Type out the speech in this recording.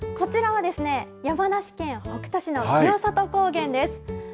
こちらは山梨県北杜市の清里高原です。